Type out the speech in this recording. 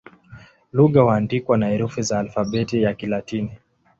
Lugha huandikwa na herufi za Alfabeti ya Kilatini.